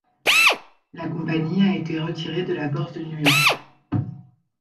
La compagnie a été retirée de la Bourse de New York.